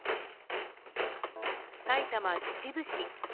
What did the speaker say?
埼玉・秩父市。